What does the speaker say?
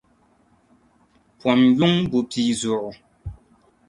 Pom yuŋ bu pia zuɣu.